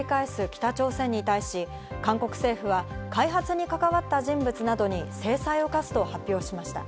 北朝鮮に対し、韓国政府は開発に関わった人物などに制裁を科すと発表しました。